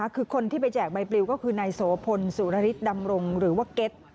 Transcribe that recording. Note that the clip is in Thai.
คือคนที่ไปแจกใบปลิวก็คือนายโสพลสุรฤทธิดำรงหรือว่าเก็ต